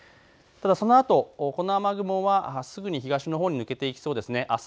そのあとこの雨雲はすぐに東のほうに抜けていきそうです。